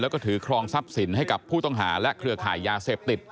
แล้วก็ถือครองทรัพย์สินให้กับผู้ต้องหาและเครือข่ายยาเสพติด